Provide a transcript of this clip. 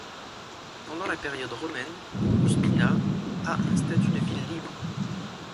Pendant la période romaine, Ruspina a un statut de ville libre.